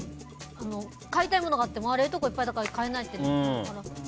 買いたいものがあっても冷凍庫がいっぱいだから買えないってなるから。